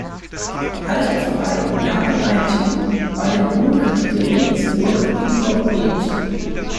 Die alte Pfarrei Laberweinting war dem Domkapitel Regensburg inkorporiert.